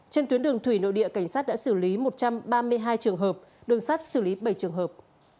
trên tuyến đường thủy nội địa cảnh sát đã xử lý một trăm ba mươi hai trường hợp đường sắt xử lý bảy trường hợp